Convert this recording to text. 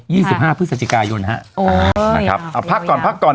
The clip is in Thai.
สิบห้าพฤศจิกายนฮะโอ้นะครับเอาพักก่อนพักก่อน